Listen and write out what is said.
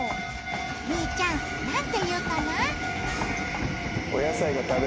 みうちゃん何て言うかな？